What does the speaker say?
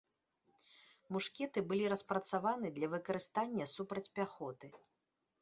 Мушкеты былі распрацаваны для выкарыстання супраць пяхоты.